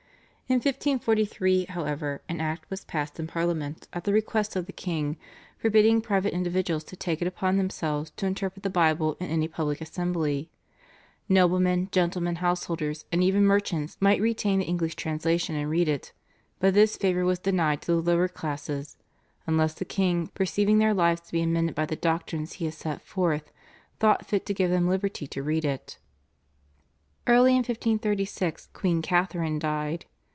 In 1543, however, an Act was passed in Parliament at the request of the king forbidding private individuals to take it upon themselves to interpret the Bible in any public assembly; noblemen, gentlemen householders, and even merchants might retain the English translation and read it, but this favour was denied to the lower classes "unless the king perceiving their lives to be amended by the doctrines he had set forth thought fit to give them liberty to read it." Early in 1536 Queen Catharine died.